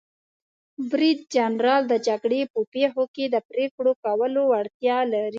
برید جنرال د جګړې په پیښو کې د پریکړو کولو وړتیا لري.